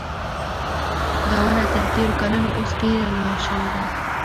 دا ونه تر تېرو کلونو اوس ډېره لویه شوې ده.